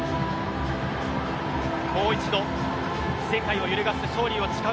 もう一度、世界を揺るがす勝利を誓う